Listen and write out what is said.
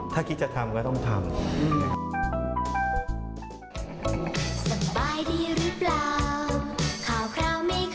ถ้าคิดจะทำก็ต้องทำ